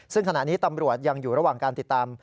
ซึ่งขณะนี้ตำรวจยังอยู่ระหว่างการติดตาม